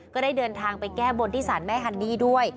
ก็ได้เดินทางไปแก้บนที่สารแม่ฮันนี่ด้วย